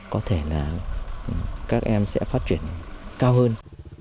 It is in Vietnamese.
có thể là các em sẽ phát triển cao hơn